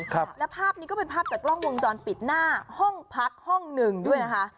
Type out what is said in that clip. ครับแล้วภาพนี้ก็เป็นภาพจากกล้องวงจรปิดหน้าห้องพักห้องหนึ่งด้วยนะคะ